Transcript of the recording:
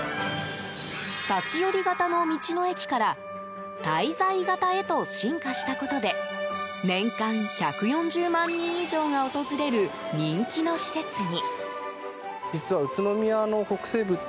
立ち寄り型の道の駅から滞在型へと進化したことで年間１４０万人以上が訪れる人気の施設に。